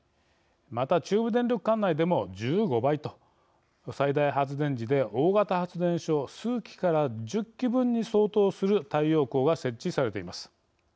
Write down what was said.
また、中部電力管内でも１５倍と最大発電時で大型発電所数基から１０基分に相当する太陽光が設置されています。